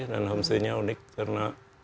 dan homestaynya unik karena